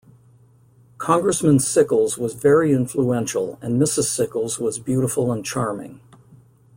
Congressman Sickles was very influential and Mrs. Sickles was beautiful and charming.